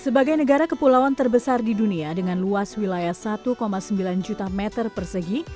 sebagai negara kepulauan terbesar di dunia dengan luas wilayah satu sembilan juta meter persegi